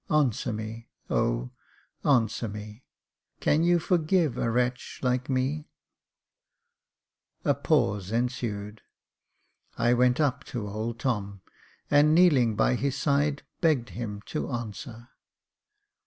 Answer me — oh ! answer me ! can you forgive a wretch like me ?" A pause ensued. I went up to old Tom, and kneeling by his side, begged him to answer.